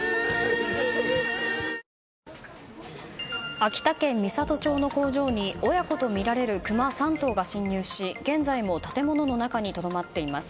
秋田県美郷町の工場に親子とみられるクマ３頭が侵入し現在も建物の中にとどまっています。